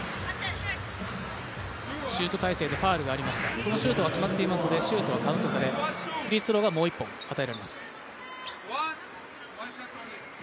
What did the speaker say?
シュート体勢でファウルがありましたので、そのシュートが決まっていますので、シュートはカウントされ、フリースローがもう１本与えられます。